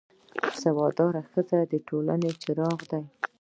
سواد داره ښځه د ټولنې څراغ ده